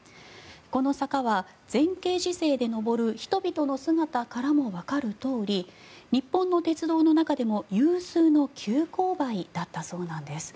この坂は前傾姿勢で上る人々の姿からもわかるとおり日本の鉄道の中でも有数の急勾配だったそうです。